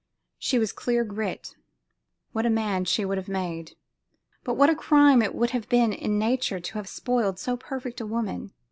She was clear grit. What a man she would have made! But what a crime it would have been in nature to have spoiled so perfect a woman.